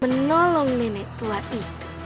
menolong nenek tua itu